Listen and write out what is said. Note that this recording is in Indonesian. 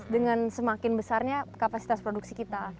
dengan semakin besarnya kapasitas produksi kita